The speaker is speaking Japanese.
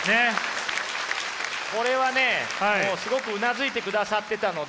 これはねすごくうなずいてくださってたので。